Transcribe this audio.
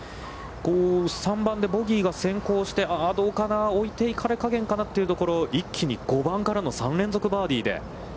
３番でボギーが先行して、ああ、どうかな、置いていかれ加減かなというところ、一気に５番からの３連続バーディーで。